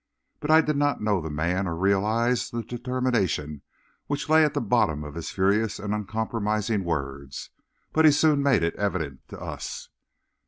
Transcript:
But I did not know the man, or realize the determination which lay at the bottom of his furious and uncompromising words. But he soon made it evident to us.